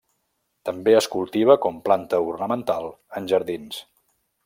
També es cultiva com planta ornamental en jardins.